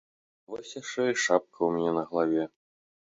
Вось яшчэ і шапка ў мяне на галаве.